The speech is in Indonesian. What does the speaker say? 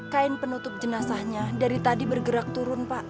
kain penutup jenazahnya dari tadi bergerak turun pak